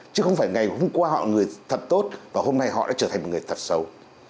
chứ không phải ngày hôm qua họ người thật tốt và hôm nay họ đã trở thành một người thật xấu